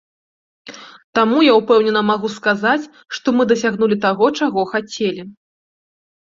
Таму я ўпэўнена магу сказаць, што мы дасягнулі таго, чаго хацелі.